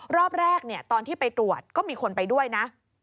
รอบแรกตอนที่ไปตรวจก็มีคนไปด้วยนะ